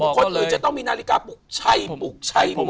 คนอื่นจะต้องมีนาฬิกาปุกไช่ปุกไช่